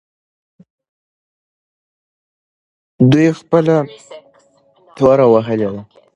دوی خپله توره وهلې ده.